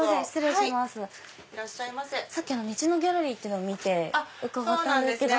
さっき道のギャラリーっていうのを見て伺ったんですけど。